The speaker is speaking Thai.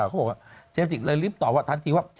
เขาบอกว่าเจมสจิกเลยรีบตอบว่าทันทีว่า